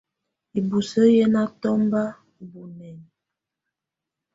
Ibusǝ́ yɛ̀ nà tɔmba ù bunɛna.